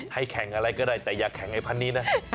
ให้แข่งอะไรก็ได้แต่อย่าแข่งไอ้พันนี้นะ